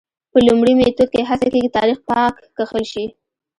په لومړي میتود کې هڅه کېږي تاریخ پاک کښل شي.